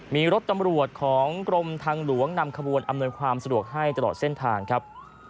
มีรถตำรวจของกรมทางหลวงนำขบวนอำนวยความสะดวกให้ตลอดเส้นทางครับ